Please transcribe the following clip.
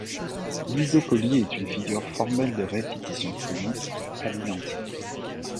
L'isocolie est une figure formelle de répétition phonique à l'identique.